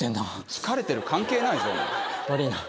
疲れてる関係ないぞ。悪いな。